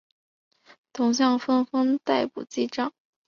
董相纷纷逮捕击杖。